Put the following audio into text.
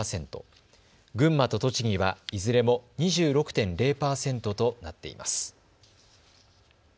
群馬と栃木はいずれも２６．０％となっています。